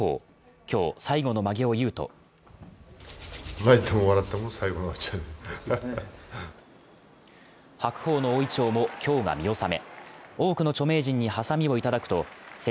今日、最後のまげを結うと白鵬の大銀杏も今日が見納め。